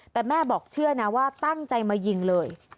แต่แม่บอกเชื่อนะว่าตั้งใจมายิงเลย